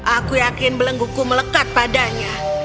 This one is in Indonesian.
aku yakin belengguku melekat padanya